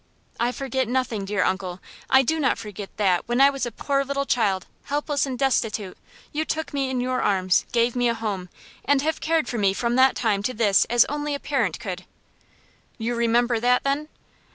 "I forget nothing, dear uncle. I do not forget that, when I was a poor little child, helpless and destitute, you took me in your arms, gave me a home, and have cared for me from that time to this as only a parent could." "You remember that, then?"